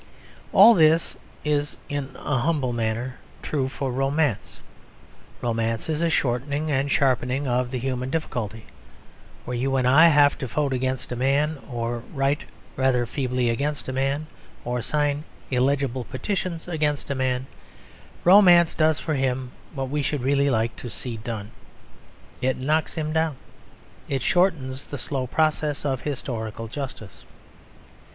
All this is, in a humble manner, true for romance. Romance is a shortening and sharpening of the human difficulty. Where you and I have to vote against a man, or write (rather feebly) against a man, or sign illegible petitions against a man, romance does for him what we should really like to see done. It knocks him down; it shortens the slow process of historical justice.